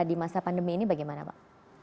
di masa pandemi ini bagaimana pak